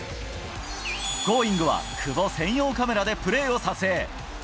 Ｇｏｉｎｇ！は久保専用カメラでプレーを撮影。